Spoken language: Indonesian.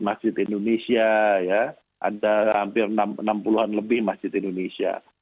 masjid indonesia ya ada hampir enam puluh an lebih masjid indonesia